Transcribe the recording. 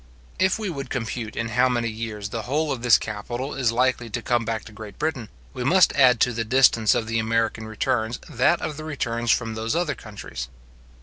If we would compute in how many years the whole of this capital is likely to come back to Great Britain, we must add to the distance of the American returns that of the returns from those other countries.